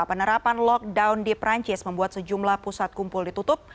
penerapan lockdown di perancis membuat sejumlah pusat kumpul ditutup